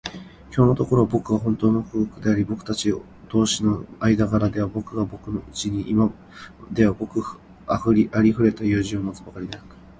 きょうのところは、ぼくがほんとうに幸福であり、ぼくたち同士の間柄では、君がぼくのうちに今ではごくありふれた友人を持つばかりでなく、